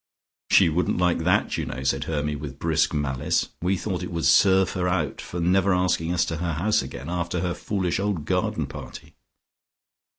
"She wouldn't like that, you know," said Hermy with brisk malice. "We thought it would serve her out for never asking us to her house again after her foolish old garden party."